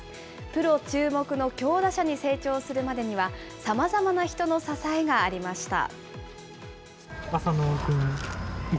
プロ注目の強打者に成長するまでには、さまざまな人の支えがありました。